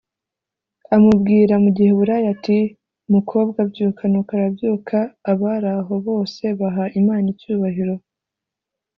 amubwira mu giheburayo ati “mukobwa byuka” nuko arabyuka abari aho bose baha Imana icyubahiro.